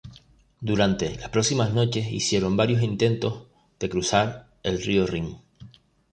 Durante las próximas noches hicieron varios intentos de cruzar el río Rin.